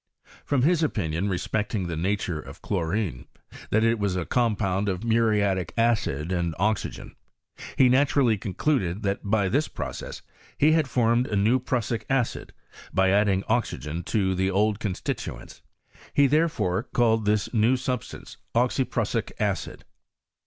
From his opinion respecting the nature of chlorine, that it was a compound of muriatic acid and oxygen, he naturally concluded that by this process he had PROGRESS Oy CneMISTRY IN TRANCE. formed a new pruaaic acid by ailding oxygen to the old cODStituents. He tlierel'ore called this new sub stance oxyprussic acid.